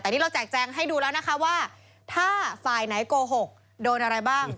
แต่นี่เราแจกแจงให้ดูแล้วนะคะว่าถ้าฝ่ายไหนโกหกโดนอะไรบ้าง